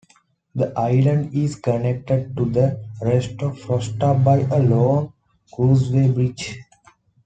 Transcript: The island is connected to the rest of Frosta by a long causeway bridge.